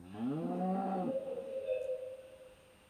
বিকেলে ট্রেন দু-একটা থেমে থাকত, দু-একটা চলে যেত রেল লাইনের বুক চিরে।